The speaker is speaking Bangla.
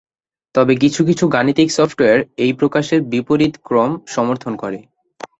তবে কিছু কিছু গাণিতিক সফটওয়্যার এই প্রকাশের বিপরীত ক্রম সমর্থন করে।